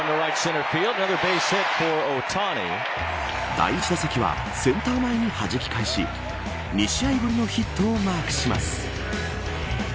第１打席はセンター前にはじき返し２試合ぶりのヒットをマークします。